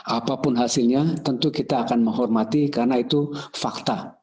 apapun hasilnya tentu kita akan menghormati karena itu fakta